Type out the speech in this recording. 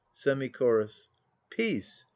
^ Semi Chorus. Peace !